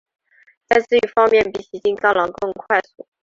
在自愈方面比起金钢狼更快速。